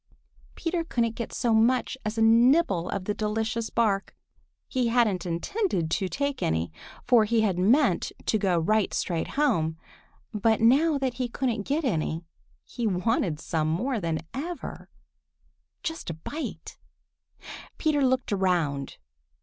Peter couldn't get so much as a nibble of the delicious bark. He hadn't intended to take any, for he had meant to go right straight home, but now that he couldn't get any, he wanted some more than ever,—just a bite. Peter looked around.